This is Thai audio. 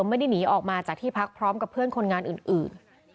ไม่ได้หนีออกมาจากที่พักพร้อมกับเพื่อนคนงานอื่น